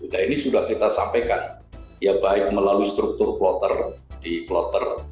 nah ini sudah kita sampaikan ya baik melalui struktur kloter di kloter